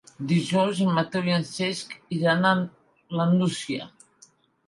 Dijous en Mateu i en Cesc iran a la Nucia.